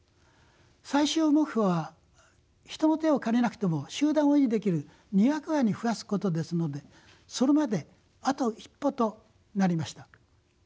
最終目標は人の手を借りなくても集団を維持できる２００羽に増やすことですのでそれまであと一歩となりました。